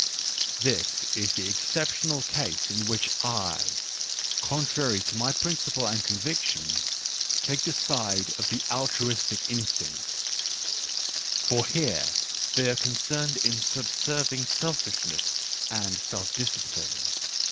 This is the exceptional case in which I, contrary to my principle and conviction, take the side of the altru istic instincts ; for here they are concerned in sub serving selfishness and self discipline.